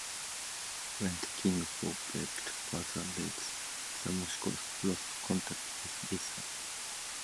When the king forbid further raids, the Moriscos lost contact with Islam.